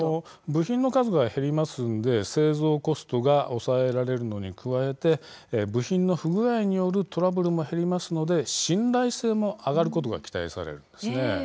部品の数が減りますので製造コストが抑えられるのに加えて部品の不具合によるトラブルも減りますので信頼性も上がることが期待されるんです。